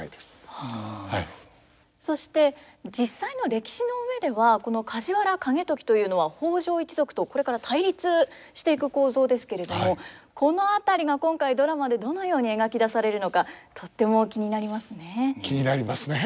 そして実際の歴史の上ではこの梶原景時というのは北条一族とこれから対立していく構造ですけれどもこの辺りが今回ドラマでどのように描き出されるのかとっても気になりますね。